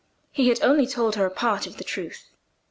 He had only told her a part of the truth.